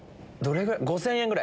５０００円ぐらい。